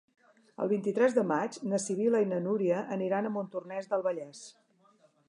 El vint-i-tres de maig na Sibil·la i na Núria aniran a Montornès del Vallès.